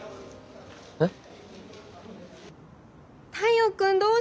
えっ？